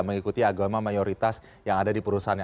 mengikuti agama mayoritas yang ada di perusahaannya